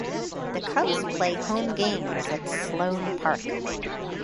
The Cubs play home games at Sloan Park.